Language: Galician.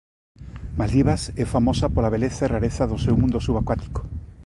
Maldivas é famosa pola beleza e rareza do seu mundo subacuático.